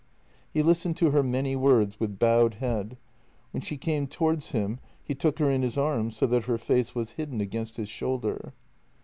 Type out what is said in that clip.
He listened to her many words with bowed head. When she came towards him he took her in his arms so that her face was hidden against his shoulder.